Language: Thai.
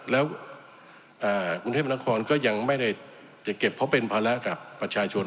แล้วกรุงเทพนครก็ยังไม่ได้จะเก็บเพราะเป็นภาระกับประชาชน